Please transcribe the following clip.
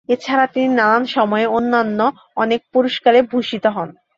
এছাড়া তিনি নানান সময়ে অন্যান্য অনেক পুরষ্কারে ভূষিত হন।